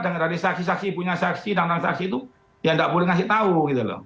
ya dari saksi saksi punya saksi datang saksi itu ya tidak boleh dikasih tahu gitu loh